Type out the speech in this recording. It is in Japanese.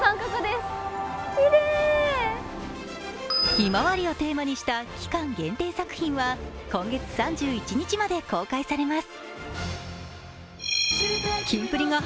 ひまわりをテーマにした期間限定作品は今月３１日まで公開されます。